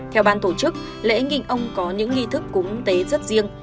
theo ban tổ chức lễ nghinh ông có những nghi thức cúng tế rất riêng